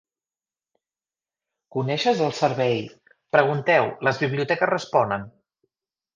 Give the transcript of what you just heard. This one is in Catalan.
Coneixes el servei "Pregunteu, les biblioteques responen"?